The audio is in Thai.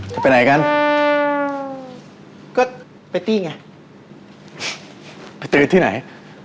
จะไปไหนกันก็ไปตี้ไงไปตื้อที่ไหน